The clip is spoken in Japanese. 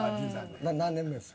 何年目です？